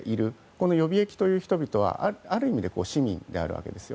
この予備役という人々はある意味で市民であるわけです。